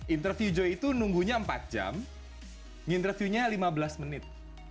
interview joy itu nunggunya empat jam nginterviewnya lima belas menit